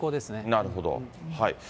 なるほど。